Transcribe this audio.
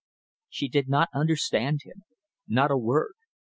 ." She did not understand him not a word.